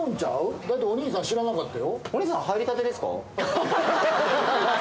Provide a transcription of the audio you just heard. だってお兄さん知らなかったよ。